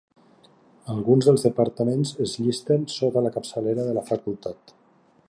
Alguns dels departaments es llisten sota la capçalera de la facultat.